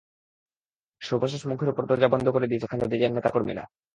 সর্বশেষ মুখের ওপর দরজা বন্ধ করে দিয়েছে খালেদা জিয়ার নেতা কর্মীরা।